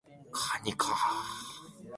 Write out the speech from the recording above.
子供部屋の異様な冷気